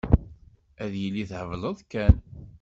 Ad yili thebleḍ kan.